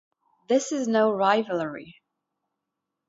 This is no rivalry.